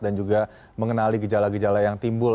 dan juga mengenali gejala gejala yang timbul